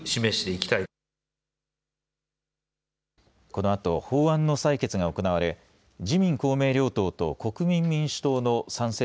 このあと法案の採決が行われ自民公明両党と国民民主党の賛成